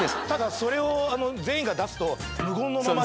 ただそれを全員が出すと。